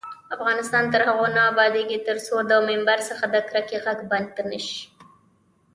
افغانستان تر هغو نه ابادیږي، ترڅو د ممبر څخه د کرکې غږ بند نشي.